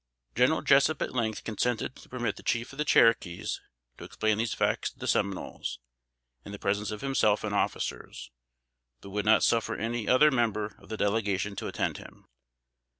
General Jessup at length consented to permit the chief of the Cherokees to explain these facts to the Seminoles, in the presence of himself and officers; but would not suffer any other member of the delegation to attend him.